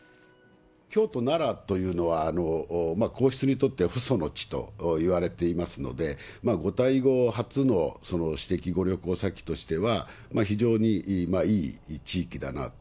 京都、奈良というのは、皇室にとっては父祖の地といわれていますので、ご退位後初の私的ご旅行先としては、非常にいい地域だなと。